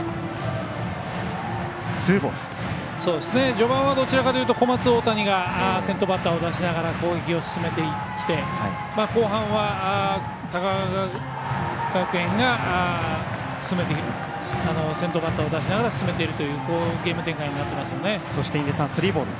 序盤はどちらかというと小松大谷が先頭バッターを出しながら攻撃を進めてきて後半は高川学園が先頭バッターを出しながら進めているというゲーム展開になっていますね。